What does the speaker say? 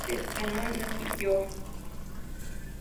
Se estrenó en Nick Jr.